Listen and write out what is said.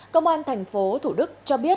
công an thành phố thủ đức cho biết